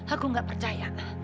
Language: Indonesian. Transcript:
aku enggak percaya